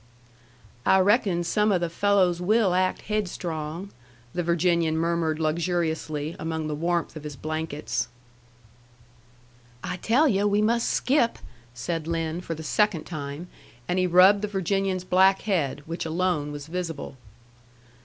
"I reckon some of the fellows will act haidstrong," the Virginian murmured luxuriously, among the warmth of his blankets. "I tell yu' we must skip," said Lin, for the second time; and he rubbed the Virginian's black head, which alone was visible.